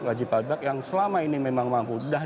wajib pajak yang selama ini memang mampu sudah